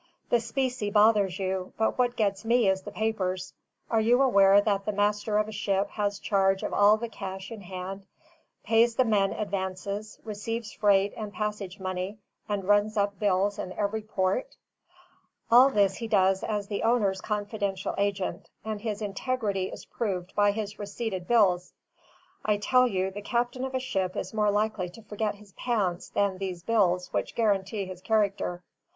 The specie bothers you, but what gets me is the papers. Are you aware that the master of a ship has charge of all the cash in hand, pays the men advances, receives freight and passage money, and runs up bills in every port? All this he does as the owner's confidential agent, and his integrity is proved by his receipted bills. I tell you, the captain of a ship is more likely to forget his pants than these bills which guarantee his character.